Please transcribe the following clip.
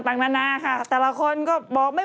ก็คือไม่ได้อยู่ทางฝั่งของเอ็กซัก